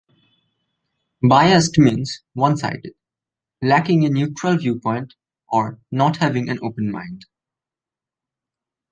Biased means one-sided, lacking a neutral viewpoint, or not having an open mind.